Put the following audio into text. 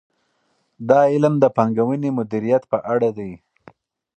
دا علم د پانګونې مدیریت په اړه دی.